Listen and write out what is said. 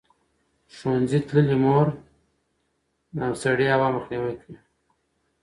ښوونځې تللې مور د سړې هوا مخنیوی کوي.